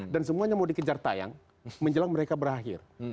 dan semuanya mau dikejar tayang menjelang mereka berakhir